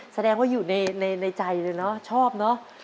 แสดงว่าอยู่ในใจเลยเนอะชอบเนอะ